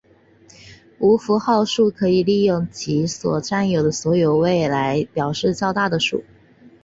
无符号数可以利用其所占有的所有位来表示较大的数。